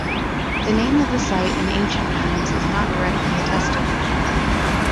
The name of the site in ancient times is not directly attested.